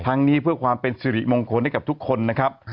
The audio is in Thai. นี้เพื่อความเป็นสิริมงคลให้กับทุกคนนะครับ